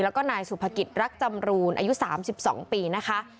แล้วก็นายสุภกิจรักจำรูนอายุ๓๒ปีนะคะ